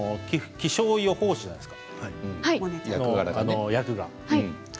気象予報士じゃないですか役柄でね。